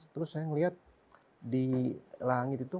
terus saya ngeliat di langit itu